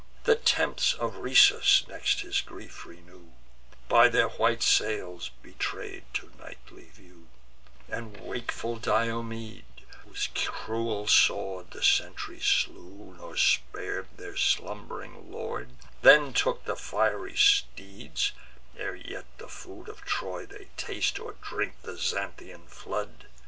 The tents of Rhesus next, his grief renew, By their white sails betray'd to nightly view; And wakeful Diomede, whose cruel sword The sentries slew, nor spar'd their slumb'ring lord, Then took the fiery steeds, ere yet the food Of Troy they taste, or drink the Xanthian flood.